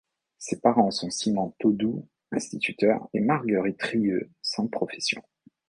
Ses parents sont Simon Taudou, instituteur, et Marguerite Rieu, sans profession.